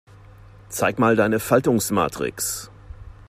Zeig mal deine Faltungsmatrix.